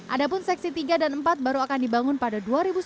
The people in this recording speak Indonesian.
adapun seksi tiga dan empat baru akan dibangun pada dua ribu sembilan belas